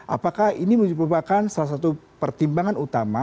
apakah ini merupakan salah satu pertimbangan utama